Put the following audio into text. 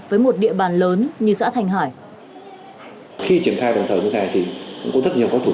với một địa bàn lớn như xã thành hải khi triển khai bằng thời gian này thì cũng rất nhiều các